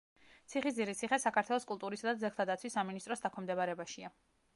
ციხისძირის ციხე საქართველოს კულტურისა და ძეგლთა დაცვის სამინისტროს დაქვემდებარებაშია.